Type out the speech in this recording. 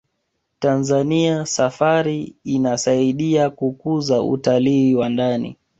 tanzania safari insaidia kukuza utalii wa ndani